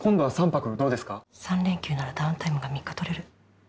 「三連休ならダウンタイムが三日取れる」。